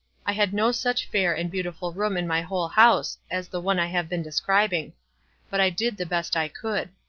I had no such fair and beautiful room in my whole house as the one I have been describing; but I did the best I could.